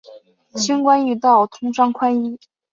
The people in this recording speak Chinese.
轻关易道，通商宽衣。